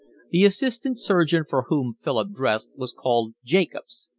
The assistant surgeon for whom Philip dressed was called Jacobs.